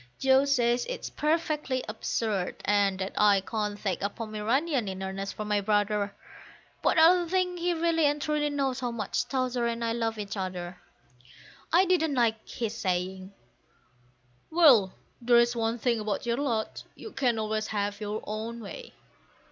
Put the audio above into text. Joe says it's perfectly absurd, and that I can't take a Pomeranian in earnest for my brother; But I don't think he really and truly knows how much Towser and I love each other. I didn't like his saying, "Well, there's one thing about your lot, you can always have your own way."